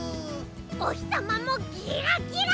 おひさまもギラギラ！